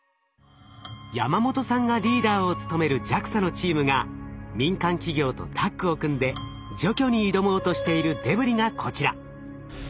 山元さんがリーダーを務めるＪＡＸＡのチームが民間企業とタッグを組んで除去に挑もうとしているデブリがこちら。